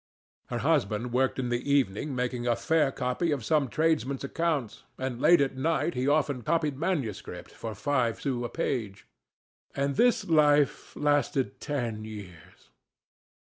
Her husband worked in the evening making a fair copy of some tradesman's accounts, and late at night he often copied manuscript for five sous a page. And this life lasted ten years.